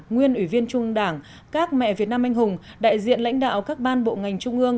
nguyên ủy viên trung đảng các mẹ việt nam anh hùng đại diện lãnh đạo các ban bộ ngành trung ương